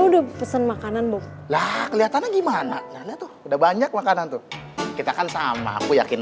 udah pesen makanan bu lah kelihatannya gimana udah banyak makanan tuh kita kan sama aku yakin